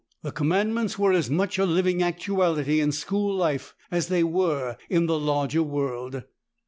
The Commandments were as much a living actuality in school life as they were in the larger world.